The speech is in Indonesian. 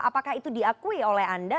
apakah itu diakui oleh anda